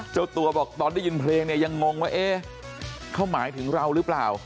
เจ้าตัวบอกตอนได้ยินเพลงเนี่ยยังงงว่าเอ๊ะเขาหมายถึงเราหรือเปล่า